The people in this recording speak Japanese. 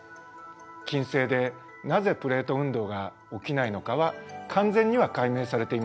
金星でなぜプレート運動が起きないのかは完全には解明されていません。